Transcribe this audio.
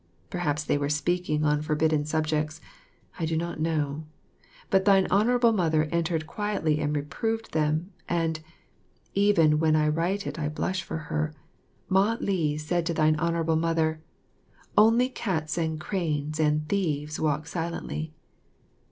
Perhaps they were speaking on forbidden subjects I do not know; but thine Honourable Mother entered quietly and reproved them, and (even when I write it I blush for her) Mah li said to her Honourable Mother, "Only cats and cranes and thieves walk silently."